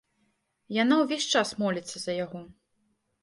Яна ўвесь час моліцца за яго.